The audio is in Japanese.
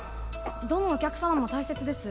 どのお客様も大切です。